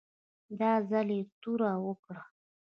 دا ځل یې توره وکړه.